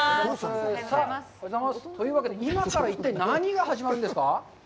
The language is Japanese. というわけで、今から一体、何が始まるんですか？